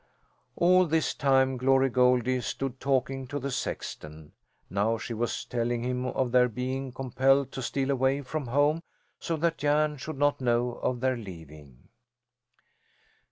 All this time Glory Goldie stood talking to the sexton. Now she was telling him of their being compelled to steal away from home so that Jan should not know of their leaving.